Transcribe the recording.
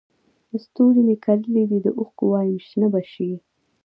ستوري مې کرلي دي د اوښکو وایم شنه به شي